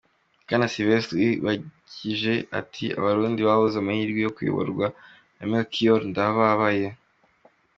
Bwana Sylvestre Uwibajie ati abarundi babuze amahirwe yo kuyoborwa na Melchior Ndadaye.